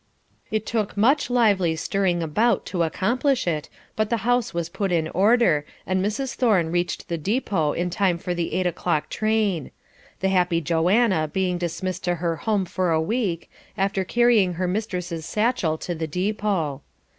It took much lively stirring about to accomplish it, but the house was put in order, and Mrs. Thorne reached the depot in time for the eight o'clock train; the happy Joanna being dismissed to her home for a week, after carrying her mistress's satchel to the depot.